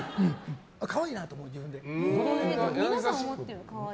可愛いなと思う、自分で。